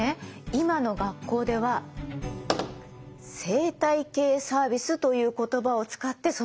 今の学校では生態系サービスという言葉を使ってそのことを学んでるの。